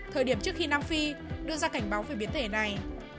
thời điểm trước khi nam phi đưa ra cảnh báo về biến thể này